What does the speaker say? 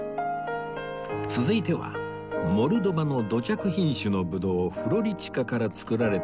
続いてはモルドバの土着品種のブドウフロリチカから造られたワイン